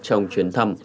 trong chuyến đấu